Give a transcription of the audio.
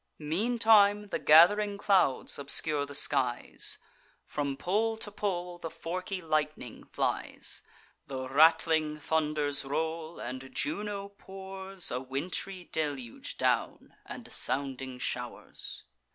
Meantime, the gath'ring clouds obscure the skies: From pole to pole the forky lightning flies; The rattling thunders roll; and Juno pours A wintry deluge down, and sounding show'rs.